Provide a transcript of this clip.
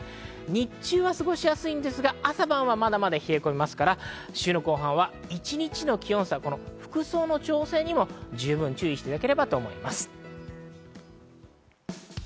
日中は過ごしやすいんですが、朝晩は冷え込みますから、週の後半は一日の気温差、服装の調整にも十分注意をしなければと思います。